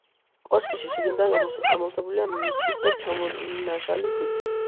კოშკი შიგნიდან ამოვსებულია მიწით და ჩამონაშალი ქვით.